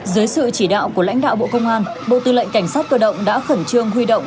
dưới sự chỉ đạo của lãnh đạo bộ công an bộ tư lệnh cảnh sát cơ động đã khẩn trương huy động